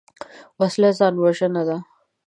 وسله ځان وژنه ده